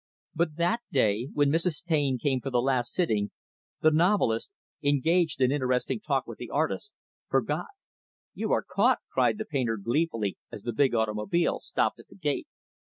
But that day, when Mrs. Taine came for the last sitting, the novelist engaged in interesting talk with the artist forgot. "You are caught," cried the painter, gleefully, as the big automobile stopped at the gate.